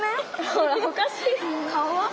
ほらおかしい。